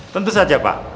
tentu saja pak